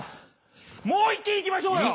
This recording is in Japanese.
もう一軒行きましょうよ！